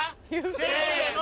せの。